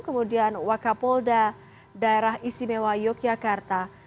kemudian wakapolda daerah istimewa yogyakarta